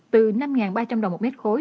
từ năm ba trăm linh đồng một mét khối